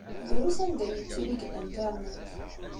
Drus anda ay yettili deg Internet.